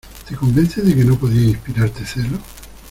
¿ te convences de que no podía inspirarte celos?